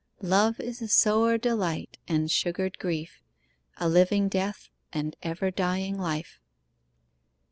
'Love is a sowre delight, and sugred griefe, A living death, and ever dying life.